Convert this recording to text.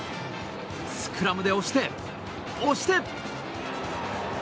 スクラムで押して、押して。